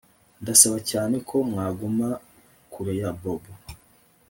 Ndasaba cyane ko mwaguma kure ya Bobo